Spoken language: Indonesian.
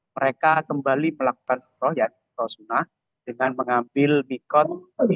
mereka kembali melakukan perwajib dengan mengambil mikot